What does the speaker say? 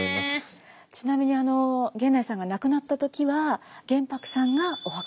ちなみに源内さんが亡くなった時は玄白さんがお墓をつくったそうです。